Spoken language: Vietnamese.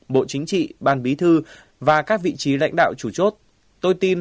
bộ chính trị ban bí thư và các vị trí lãnh đạo chủ chốt